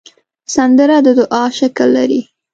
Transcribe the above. سندره د دعا شکل لري